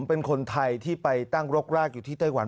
เป็นคนไทยที่ไปตั้งรกรากอยู่ที่ไต้หวัน